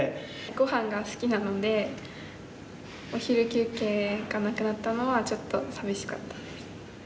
ごはんが好きなのでお昼休憩がなくなったのはちょっと寂しかったです。